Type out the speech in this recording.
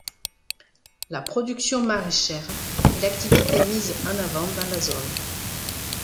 La production maraîchère est l'activité mise en avant dans la zone.